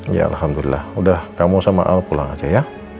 ya alhamdulillah udah kamu sama al pulang aja ya